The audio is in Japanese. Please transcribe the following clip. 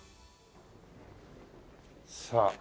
さあ。